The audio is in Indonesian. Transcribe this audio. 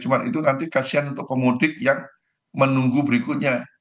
cuma itu nanti kasian untuk pemudik yang menunggu berikutnya